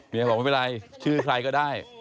บอกไม่เป็นไรชื่อใครก็ได้